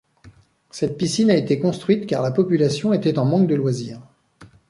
Cette piscine a été construite car la population était en manque de loisirs.